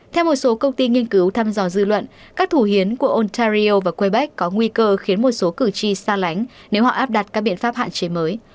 theo một số công ty nghiên cứu thăm dò dư luận các thủ hiến của ontaryo và quebec có nguy cơ khiến một số cử tri xa lánh nếu họ áp đặt các biện pháp hạn chế mới